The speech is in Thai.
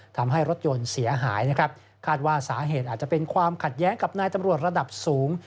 ทำให้รถยนต์เสียหายนะครับคาดว่าสาเหตุอาจจะเป็นความขัดแย้งกับนายตำรวจระดับสูง